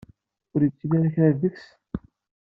Ur yettili ara kra deg-s?